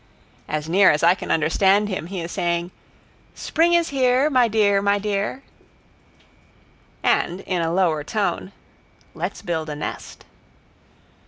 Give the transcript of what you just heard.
As near as I can understand him he is saying, "Spring is here, my dear, my dear," and in a lower tone, "Let's build a nest."